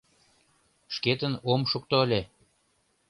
Шкетын ом шукто ыле.